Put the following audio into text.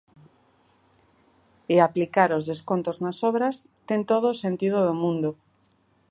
E aplicar os descontos nas obras ten todo o sentido do mundo.